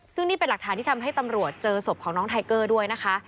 ซึ่งนี่เป็นหลักฐานที่ทำให้ตำรวจเจอศพของน้องไทเกอร์ด้วยนะคะ